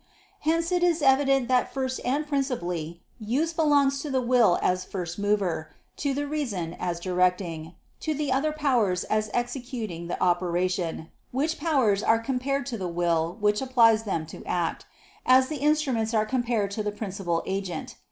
Hence it is evident that first and principally use belongs to the will as first mover; to the reason, as directing; and to the other powers as executing the operation, which powers are compared to the will which applies them to act, as the instruments are compared to the principal agent.